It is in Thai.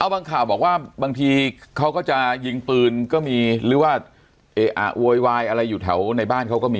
บางข่าวบอกว่าบางทีเขาก็จะยิงปืนก็มีหรือว่าเอะอะโวยวายอะไรอยู่แถวในบ้านเขาก็มี